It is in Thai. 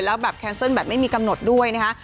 แล้วแบบแคนเซิลแบบไม่มีกำหนดด้วยนะคะ